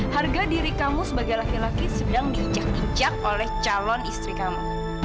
harga diri kamu sebagai laki laki sedang diinjak injak oleh calon istri kamu